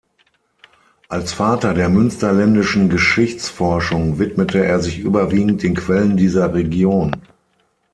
Als "Vater der münsterländischen Geschichtsforschung" widmete er sich überwiegend den Quellen dieser Region.